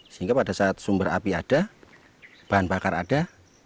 sehingga pada saat sumber api ada bahan bakar ada